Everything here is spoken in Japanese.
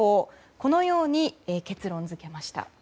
このように結論付けました。